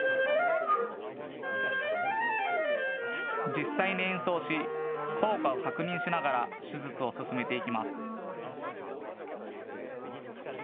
実際に演奏し効果を確認しながら手術を進めていきます。